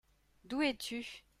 D'où es-tu ?